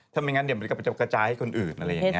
ถ้าไม่งั้นเดี๋ยวมันก็ไปจบกระจายให้คนอื่นอะไรอย่างนี้